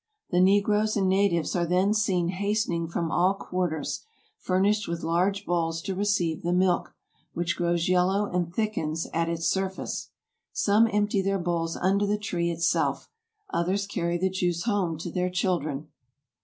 The negroes and natives are then seen hastening from all quar ters, furnished with large bowls to receive the milk, which grows yellow and thickens at its surface. Some empty their bowls under the tree itself, others carry the juice home to their children.